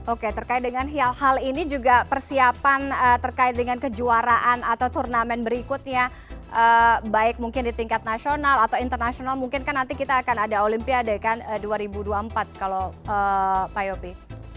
oke terkait dengan hal hal ini juga persiapan terkait dengan kejuaraan atau turnamen berikutnya baik mungkin di tingkat nasional atau internasional mungkin kan nanti kita akan ada olimpiade kan dua ribu dua puluh empat kalau pak yopi